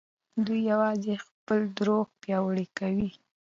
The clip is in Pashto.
دوی يوازې خپل دروغ پياوړي کوي.